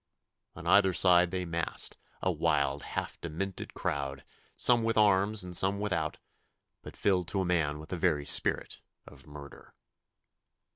On either side they massed, a wild, half demented crowd, some with arms and some without, but filled to a man with the very spirit of murder.